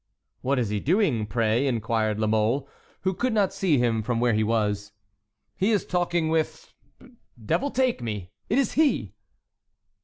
"What is he doing, pray?" inquired La Mole, who could not see him from where he was. "He is talking with—devil take me! it is he!"